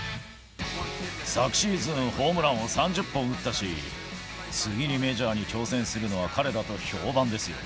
昨シーズン、ホームランを３０本打ったし、次にメジャーに挑戦するのは彼だと評判ですよ。